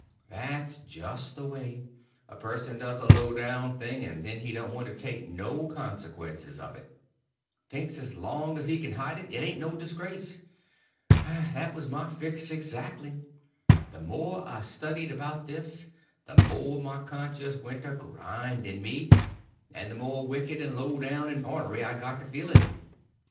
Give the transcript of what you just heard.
That's just the way: a person does a low down thing, and then he don't want to take no consequences of it. Thinks as long as he can hide it, it ain't no disgrace. That was my fix exactly. The more I studied about this the more my conscience went to grinding me, and the more wicked and low down and ornery I got to feeling.